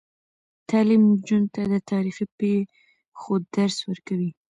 تعلیم نجونو ته د تاریخي پیښو درس ورکوي.